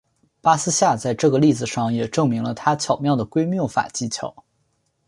巴斯夏在这个例子上也证明了他巧妙的归谬法技巧。